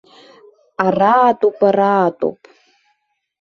Аратәуп, аратәуп.